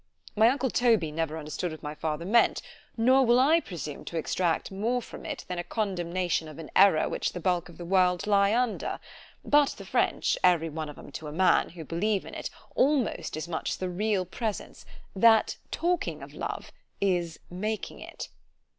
My uncle Toby never understood what my father meant; nor will I presume to extract more from it, than a condemnation of an error which the bulk of the world lie under——but the French, every one of 'em to a man, who believe in it, almost as much as the REAL PRESENCE, "_That talking of love, is making it.